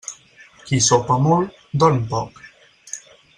Qui sopa molt, dorm poc.